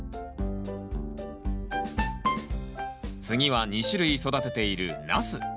次は２種類育てているナス。